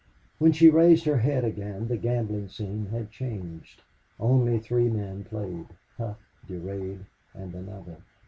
When she raised her head again the gambling scene had changed. Only three men played Hough, Durade, and another.